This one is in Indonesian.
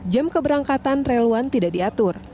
jam keberangkatan rel satu tidak diatur